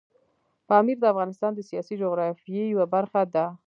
پامیر د افغانستان د سیاسي جغرافیې یوه برخه ده.